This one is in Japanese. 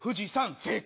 正解。